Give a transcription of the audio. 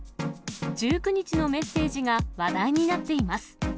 １９日のメッセージが話題になっています。